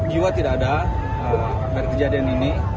jiwa tidak ada dari kejadian ini